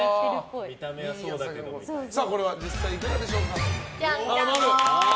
これは実際いかがでしょうか？